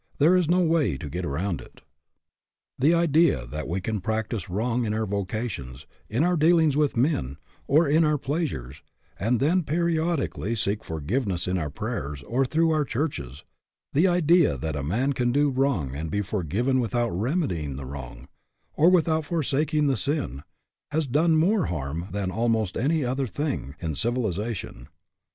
There is no way to get around it. The idea that we can practice wrong in our vocations, in our dealings with men, or in our pleasures, and then periodically seek forgive ness in our prayers or through our churches the idea that a man can do wrong and be for given without remedying the wrong, or with out forsaking the sin, has done more harm than almost any other thing in civilization.